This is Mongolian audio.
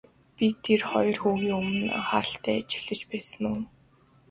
Би тэр хоёр хүнийг өмнө нь анхааралтай ажиглаж байсан уу?